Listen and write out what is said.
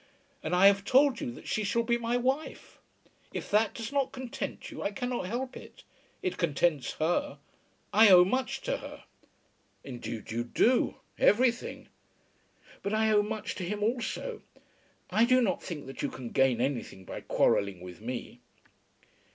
And I have told you that she shall be my wife. If that does not content you, I cannot help it. It contents her. I owe much to her." "Indeed you do; everything." "But I owe much to him also. I do not think that you can gain anything by quarrelling with me."